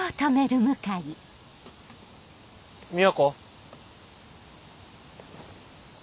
美和子。